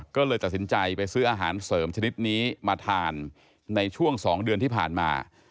ก็เลยตัดสินใจไปซื้ออาหารเสริมชนิดนี้มาทานในช่วง๒เดือนที่ผ่านมา